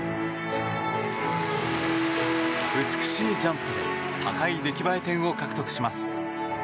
美しいジャンプで高い出来栄え点を獲得します。